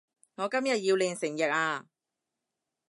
我今日要練成日呀